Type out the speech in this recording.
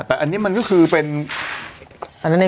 แต่อนี่มันก็คือเป็นอย่างเงี้ย